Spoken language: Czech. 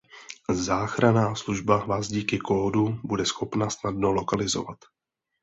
Záchranná služba Vás díky kódu bude schopna snadno lokalizovat.